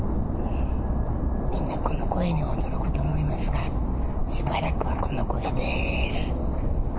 みんな、この声に驚くと思いますが、しばらくはこの声でーす。